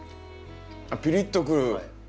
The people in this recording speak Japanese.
あっピリッとくる。